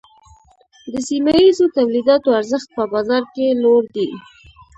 د سیمه ییزو تولیداتو ارزښت په بازار کې لوړ دی۔